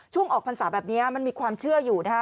ออกพรรษาแบบนี้มันมีความเชื่ออยู่นะคะ